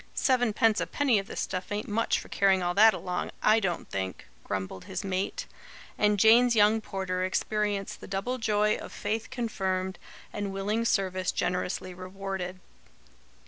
"Seven pence 'apenny of this stuff ain't much for carrying all that along, I DON'T think!" grumbled his mate; and Jane's young porter experienced the double joy of faith confirmed, and willing service generously rewarded.